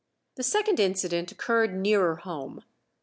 The second incident occurred nearer home.